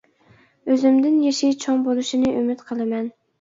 ئۆزۈمدىن يېشى چوڭ بولۇشىنى ئۈمىد قىلىمەن.